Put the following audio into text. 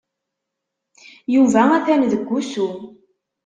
Yuba atan deg wusu.